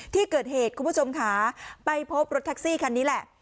ที่เกิดเหตุคุณผู้ชมค่ะไปพบรถแท็กซี่คันนี้แหละ